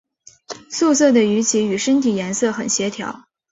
素色的鱼鳍与身体颜色很协调。